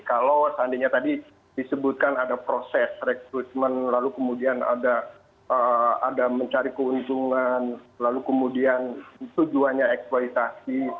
kalau seandainya tadi disebutkan ada proses rekrutmen lalu kemudian ada mencari keuntungan lalu kemudian tujuannya eksploitasi